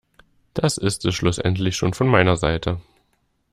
Das ist es schlussendlich schon von meiner Seite.